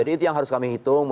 jadi itu yang harus kami hitung